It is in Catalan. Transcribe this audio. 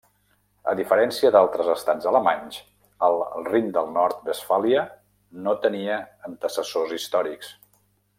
A diferència d'altres estats alemanys, el Rin del Nord-Westfàlia no tenia antecessors històrics.